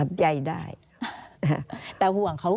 อันดับ๖๓๕จัดใช้วิจิตร